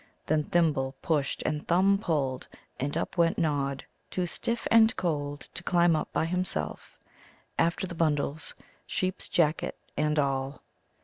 Then Thimble pushed and Thumb pulled, and up went Nod, too stiff and cold to climb up by himself, after the bundles, sheep's jacket and all.